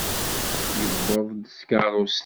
Yuweḍ-d s tkeṛṛust.